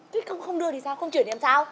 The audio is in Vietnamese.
thế không đưa thì sao không chuyển thì làm sao